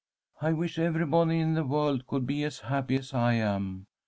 "'I wish everybody in the world could be as happy as I am.